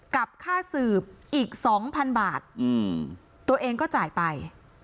กับค่าสืบอีกสองพันบาทตัวเองก็จ่ายไป